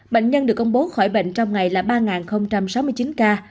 bệnh nhân được công bố khỏi bệnh trong ngày là ba sáu mươi chín ca